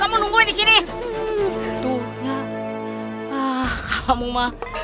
sampai jumpa di resmi berikut